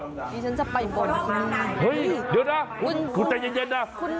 ดิฉันจะไปบ่นคุณ